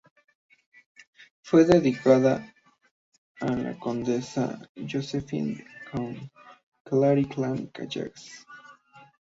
Fue dedicada a la condesa Josephine von Clary Clam-Gallas.